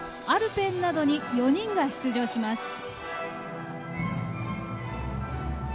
アルペンなどに４人が出場します。